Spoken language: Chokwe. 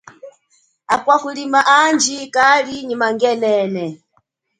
Akwa kulima andji kali nyi mangenene.